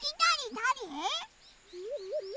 だれ？